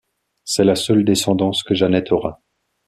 C'est la seule descendance que Janet aura.